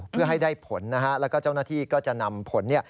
เพื่อให้ได้ผลนะฮะแล้วก็เจ้าหน้าที่ก็จะนำผลเนี่ย